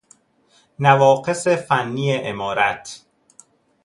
نواقص فنی عمارت